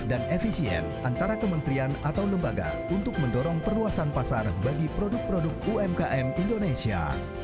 dan efisien antara kementrian atau lembaga untuk mendorong perluasan pasar bagi produk produk umkm indonesia